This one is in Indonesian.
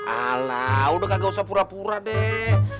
ala udah gak usah pura pura deh